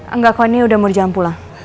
enggak kok ini udah murjam pulang